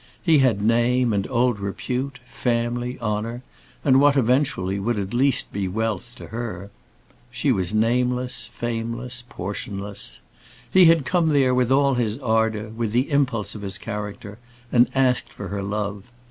He had name, and old repute, family, honour, and what eventually would at least be wealth to her. She was nameless, fameless, portionless. He had come there with all his ardour, with the impulse of his character, and asked for her love.